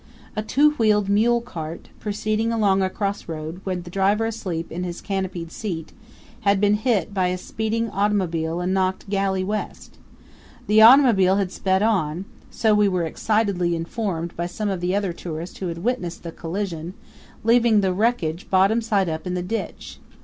A two wheeled mule cart, proceeding along a crossroad, with the driver asleep in his canopied seat, had been hit by a speeding automobile and knocked galley west. The automobile had sped on so we were excitedly informed by some other tourists who had witnessed the collision leaving the wreckage bottom side up in the ditch.